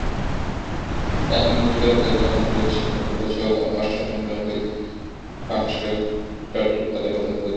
এক মুহূর্তের মধ্যে কেমন করিয়া সে আপনার বীভৎস অসংযমকে সহাস্য চটুলতায় পরিণত করিবে।